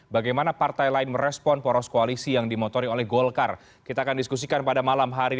bagaimana partai lain merespon poros koalisi yang dimotori oleh golkar